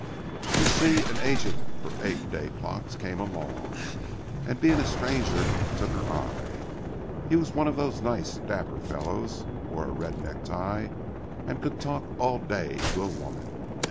"You see an agent for eight day clocks came along, and being a stranger took her eye. He was one of those nice, dapper fellows, wore a red necktie, and could talk all day to a woman.